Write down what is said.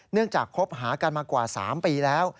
เนื่องจากคบหากันมากว่า๓ปีแล้ว